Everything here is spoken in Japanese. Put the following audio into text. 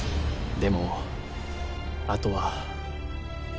でもあとは。